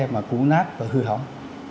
mà cũ nát và hư hỏng